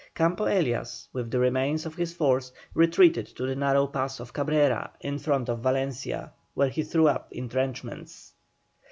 Campo Elias, with the remains of his force, retreated to the narrow pass of Cabrera in front of Valencia, where he threw up entrenchments.